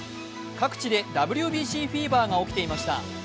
各地でＷＢＣフィーバーが起きていました。